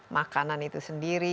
makanan itu sendiri